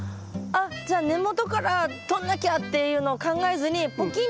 あっじゃあ根元からとんなきゃっていうのを考えずにポキンって。